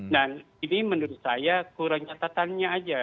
dan ini menurut saya kurang catatannya aja